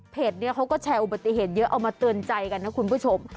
เขาก็แชร์อุบัติเหตุเยอะเอามาเตือนใจกันนะคุณผู้ชม